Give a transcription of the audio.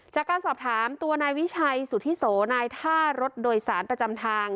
จากการสอบถามตัวนายวิชัยสุธิโสนายท่ารถโดยสารประจำทาง